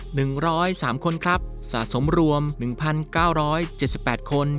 หนึ่งร้อยสามคนครับสะสมรวมหนึ่งพันเก้าร้อยเจ็ดสิบแปดคน